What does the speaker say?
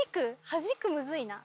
はじくムズいな。